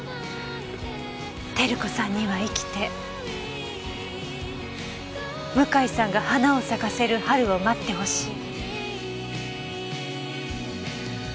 照子さんには生きて向井さんが花を咲かせる春を待ってほしい。